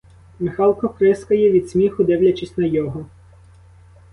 Михалко прискає від сміху, дивлячись на його.